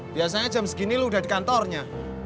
biasanya jam segini lu udah di kantornya